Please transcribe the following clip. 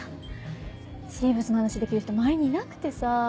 シーブスの話できる人周りにいなくてさ。